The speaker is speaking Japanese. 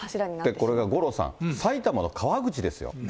これが五郎さん、埼玉の川口ですよ。